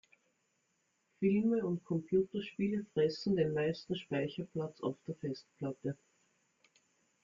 Filme und Computerspiele fressen den meisten Speicherplatz auf der Festplatte.